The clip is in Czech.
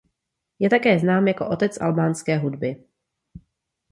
Je také znám jako „Otec albánské hudby“.